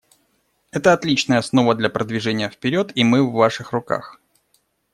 Это отличная основа для продвижения вперед, и мы в Ваших руках.